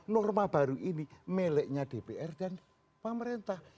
norma baru ini meleknya dpr dan pemerintah